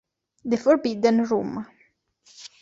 The Forbidden Room